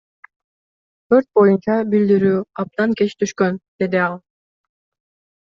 Өрт боюнча билдирүү абдан кеч түшкөн, — деди ал.